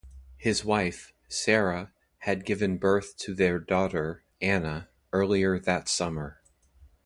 His wife, Sara, had given birth to their daughter, Anna, earlier that summer.